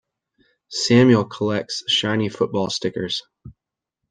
Samuel collects shiny football stickers.